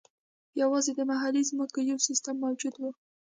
یوازې د محلي ځمکو یو سیستم موجود و.